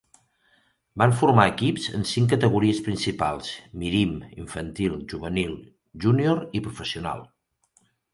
Van formar equips en cinc categories principals: Mirim, Infantil, Juvenil, Junior i professional.